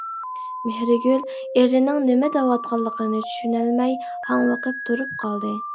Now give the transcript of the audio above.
مېھرىگۈل ئېرىنىڭ نېمە دەۋاتقانلىقىنى چۈشىنەلمەي ھاڭۋېقىپ تۇرۇپ قالدى.